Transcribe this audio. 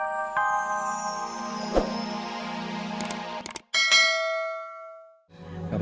trennya juga gapapa